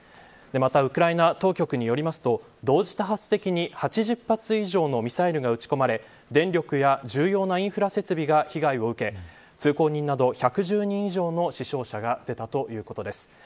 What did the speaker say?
またウクライナ当局によりますと同時多発的に８０発以上のミサイルが撃ち込まれ電力や重要なインフラ設備が被害を受け通行人など１１０人以上の死傷者が出たということです。